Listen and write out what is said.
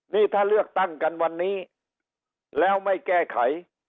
นี่ถ้าเลือกตั้งกันวันนี้แล้วไม่แก้ไข